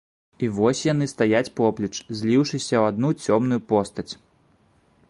І вось яны стаяць поплеч, зліўшыся ў адну цёмную постаць.